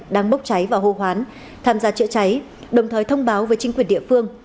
đang bốc cháy và hô hoán tham gia chữa cháy đồng thời thông báo với chính quyền địa phương